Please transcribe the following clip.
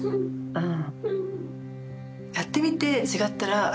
うん。